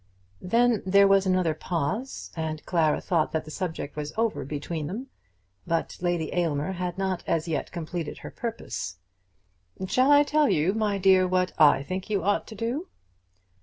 Then there was another pause, and Clara thought that that subject was over between them. But Lady Aylmer had not as yet completed her purpose. "Shall I tell you, my dear, what I think you ought to do?"